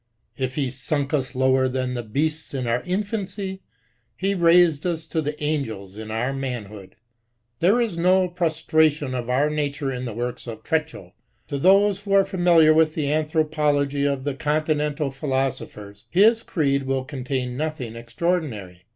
If he sunk us lower than the beasts in our infancy, be raised us to the angels in our manhood. There is no prbstration of our nature in the works of Treschow. To those who are familiar with the anthropology of the Continental philosophers his creed will contain nothing extraordinary.